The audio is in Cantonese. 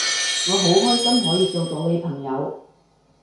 我好開心可以做到你朋友